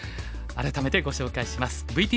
改めてご紹介します。